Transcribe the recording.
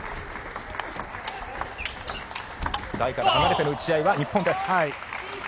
台から離れての打ち合いは日本です。